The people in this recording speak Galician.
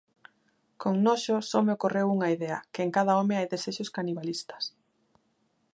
Con noxo só me ocorreu unha idea, que en cada home hai desexos canibalistas.